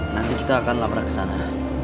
nanti kita akan lapor ke sana